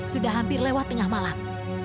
sudah hampir lewat tengah malam